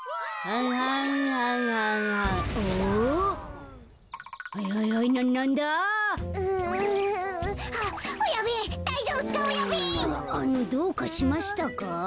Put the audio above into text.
ああのどうかしましたか？